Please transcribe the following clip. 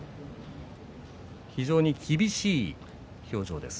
非常に厳しい表情です